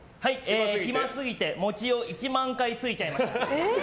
暇すぎて餅を１万回ついちゃいました。